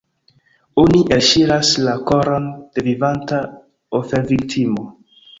Oni elŝiras la koron de vivanta oferviktimo.